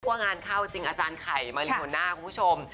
ว่างานเข้าจริงอาจารย์ไขมะลิงคุณหน้าคุณผู้ชม